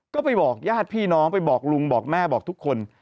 ก็ไปบอกญาติพี่น้องไปบอกลุงบอกแม่บอกทุกคน